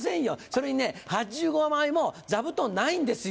それにね８５枚も座布団ないんですよ。